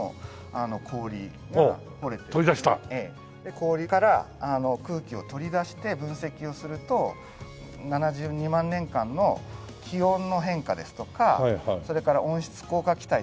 氷から空気を取り出して分析をすると７２万年間の気温の変化ですとかそれから温室効果気体ですね